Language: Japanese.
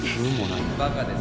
バカですね